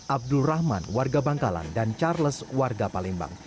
abdul rahman warga bangkalan dan charles warga palembang